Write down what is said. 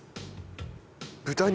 豚肉。